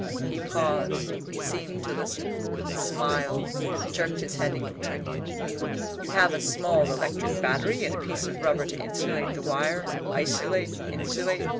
He paused, seemed to listen, smiled, jerked his head and continued: "You have a small electric battery and a piece of rubber to insulate the wire isolate? insulate?